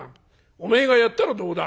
おめえがやったらどうだ」。